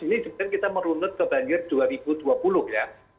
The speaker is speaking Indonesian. ini sebenarnya kita merunut ke banjir dua ribu dua puluh ya